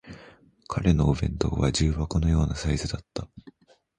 彼のお弁当は重箱のようなサイズだった